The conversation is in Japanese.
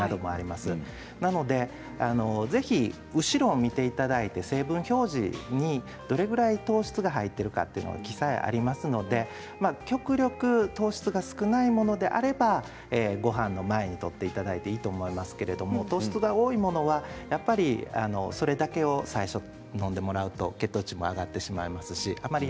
ですので、ぜひ後ろを見ていただいて成分表示にどれくらい糖質が入っているかということの記載がありますので極力、糖質が少ないものであればごはんの前にとっていただいていいと思いますけれど糖質が多いものは、やっぱりそれだけを最初に飲んでもらうと血糖値が上がってしまいますしあまり